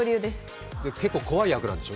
結構、怖い役なんでしょ？